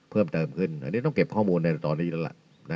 เพิ่มเติมขึ้นอันนี้ต้องเก็บข้อมูลในตอนนี้แล้วล่ะ